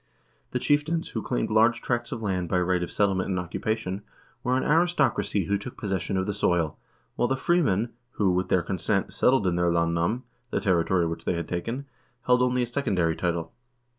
The chief tains, who claimed large tracts of land by right of settlement and occupation, were an aristocracy who took possession of the soil, while the freemen, who, with their consent, settled in their landnam (the territory which they had taken), held only a secondary title.